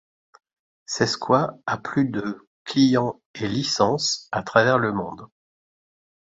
Sescoi a plus de clients et licences à travers le monde.